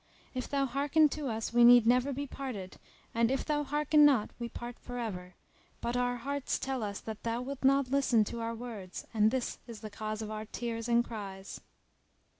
If thou hearken to us we need never be parted and if thou hearken not we part for ever; but our hearts tell us that thou wilt not listen to our words and this is the cause of our tears and cries."